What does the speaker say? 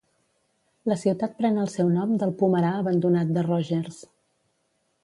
La ciutat pren el seu nom del pomerar abandonat de Rogers.